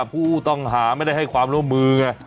ผู้ต้องหาไม่ได้ให้ความร่วมมือไง